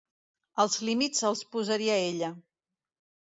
Els límits els posaria ella.